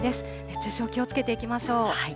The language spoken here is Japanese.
熱中症、気をつけていきましょう。